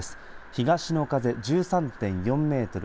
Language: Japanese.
東の風１３．４メートル